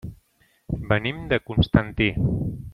Venim de Constantí.